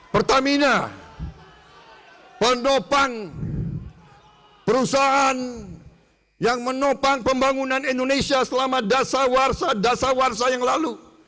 pertamina pendopang perusahaan yang menopang pembangunan indonesia selama dasar warsa dasar warsa yang lalu